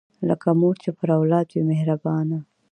لکه مور چې پر اولاد وي مهربانه